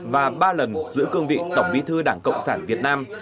và ba lần giữ cương vị tổng bí thư đảng cộng sản việt nam